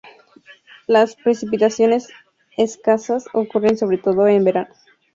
Las precipitaciones escasas ocurren sobre todo en verano.